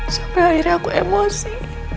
sampai akhirnya aku emosi